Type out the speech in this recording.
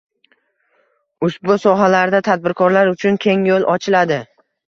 ushbu sohalarda tadbirkorlar uchun keng yo‘l ochiladi.